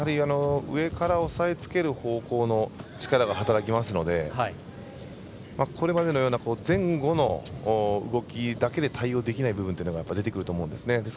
上から抑えつける方向の力が働きますのでこれまでのような前後の動きだけで対応できない部分というのがやっぱり出てくると思うんです。